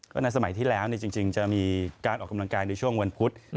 ในสมัยที่แล้วจริงจะมีการออกกำลังกายในช่วงวันพุธ